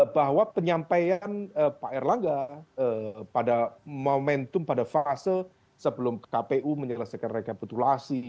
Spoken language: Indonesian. bahwa penyampaian pak erlangga pada momentum pada fase sebelum kpu menyelesaikan rekapitulasi